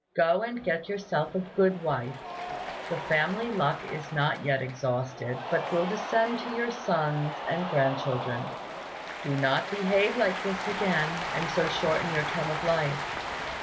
Go and get yourself a good wife. The family luck is not yet exhausted, but will descend to your sons and grandchildren. Do not behave like this again, and so shorten your term of life."